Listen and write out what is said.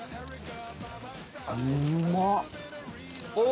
うんまっ！